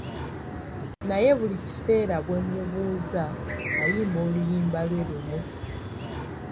Naye buli kiseera bwe mubuuza, ayimba oluyimba lwe lumu.